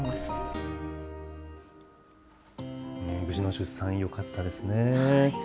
無事の出産、よかったですね。